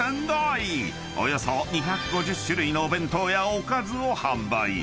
［およそ２５０種類のお弁当やおかずを販売］